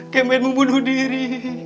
kemenmu bunuh diri